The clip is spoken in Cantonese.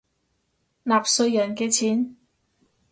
納稅人嘅錢